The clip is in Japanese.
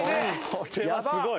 これはすごい！